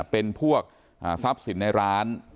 เป็นพวกทรัพย์สินในร้าน